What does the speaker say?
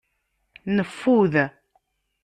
Neffud.